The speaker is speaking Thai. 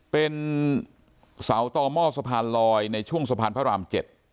เป็นสาวตอม่อสะพานลอยในช่วงสะพานพระรามเจ็ด